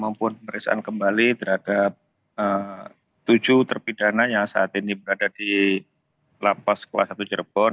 mampu pengerjaan kembali terhadap tujuh terpidana yang saat ini berada di lapas kuh satu jerbon